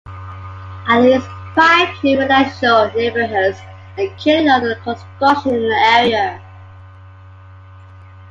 At least five new residential neighborhoods are currently under construction in the area.